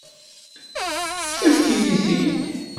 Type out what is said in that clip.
Efk-iyi-t-id.